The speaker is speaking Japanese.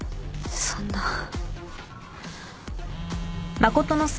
そんな。